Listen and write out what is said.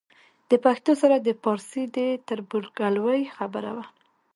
له پښتو سره د پارسي د تربورګلوۍ خبره وه.